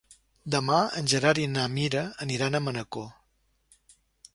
Demà en Gerard i na Mira aniran a Manacor.